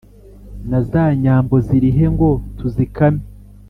Na Zanyambo zilihe ngo tuzikame